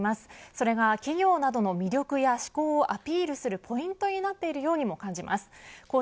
それが企業などの魅力や志向をアピールするポイントになっているようにも感じます。